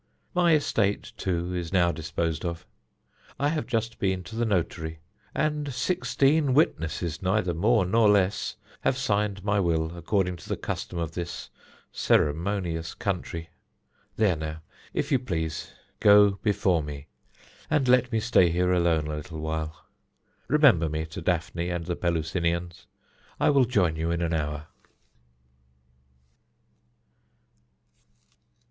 My estate, too, is now disposed of. I have just been to the notary, and sixteen witnesses neither more nor less have signed my will according to the custom of this ceremonious country. There, now, if you please, go before me, and let me stay here alone a little while. Remember me to Daphne and the Pelusinians. I will join you in an hour."